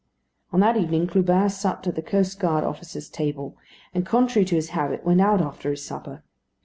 On that evening, Clubin supped at the coast guard officers' table; and, contrary to his habit, went out after his supper.